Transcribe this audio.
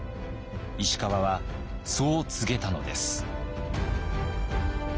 石川はそう告げたのです。